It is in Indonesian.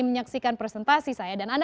menyaksikan presentasi saya dan anda